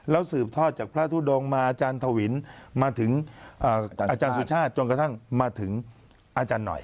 แล้วสืบทอดจากพระทุดงมาอาจารย์ทวินมาถึงอาจารย์สุชาติจนกระทั่งมาถึงอาจารย์หน่อย